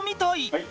はい。